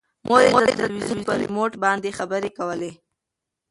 مور یې د تلویزون په ریموټ باندې خبرې کولې.